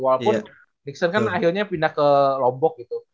walaupun nixon kan akhirnya pindah ke lombok gitu